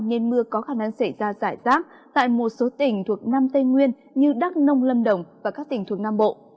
nên mưa có khả năng xảy ra giải rác tại một số tỉnh thuộc nam tây nguyên như đắk nông lâm đồng và các tỉnh thuộc nam bộ